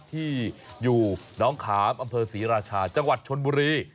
ที่อยู่น้องขามอำเภอศรีราชาจังหวัดชนบุรี